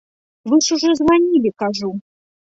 Вы ж ужо званілі, кажу.